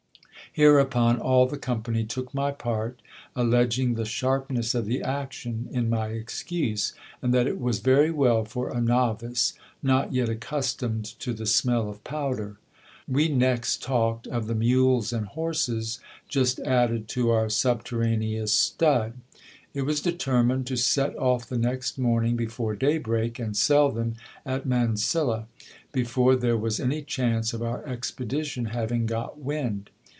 Hereupon all the company took my part, alleging the sharpness of the action in my excuse, and that it was very well for a novice, not yet accustomed to the smell of powder. We next talked of the mules and horses just added to our subterraneous stud It was determined to set off the next morning before day break, and sell them at Mansilla, before there was any chance of our expedition having got wind.